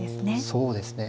そうですね。